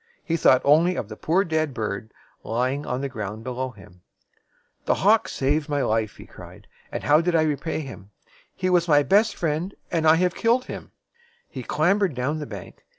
He thought only of the poor dead bird lying on the ground below him. "The hawk saved my life!" he cried; "and how did I repay him? He was my best friend, and I have killed him." He clam bered down the bank.